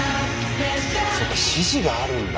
そっか指示があるんだ。